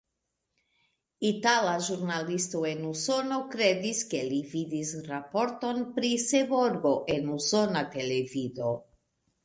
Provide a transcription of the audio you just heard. Itala ĵurnalisto en Usono kredis, ke li vidis raporton pri Seborgo en usona televido.